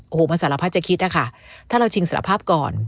โอ้โหมันสารพัดจะคิดนะคะถ้าเราชิงสารภาพก่อน